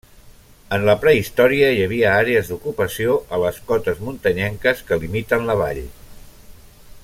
En la prehistòria hi havia àrees d'ocupació a les cotes muntanyenques que limiten la vall.